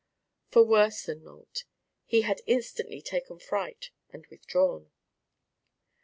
For worse than nought: he had instantly taken fright and withdrawn.